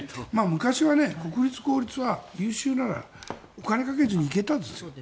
昔は国立などは優秀だからお金をかけずに行けたんですよ